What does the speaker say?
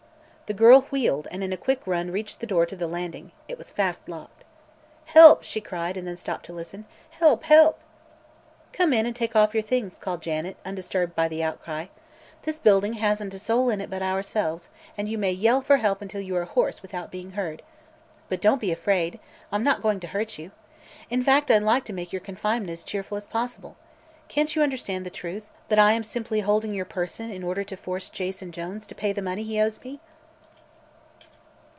The girl wheeled and in a quick run reached the door to the landing. It was fast locked. "Help!" she cried, and stopped to listen; "help! help!" "Come in and take off your things," called Janet, undisturbed by the outcry. "This building hasn't a soul in it but ourselves, and you may yell for help until you are hoarse without being heard. But don't be frightened. I'm not going to hurt you. In fact, I'd like to make your confinement as cheerful as possible. Can't you understand the truth that I am simply holding your person in order to force Jason Jones to pay the money he owes me?"